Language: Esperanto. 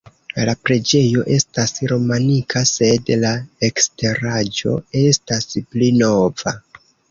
La preĝejo estas romanika sed la eksteraĵo estas pli nova.